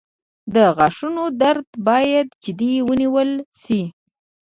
• د غاښونو درد باید جدي ونیول شي.